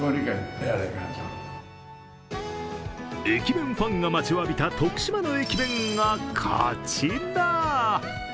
駅弁ファンが待ちわびた徳島の駅弁がこちら。